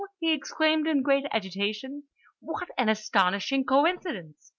he exclaimed, in great agitation. "What an astonishing coincidence!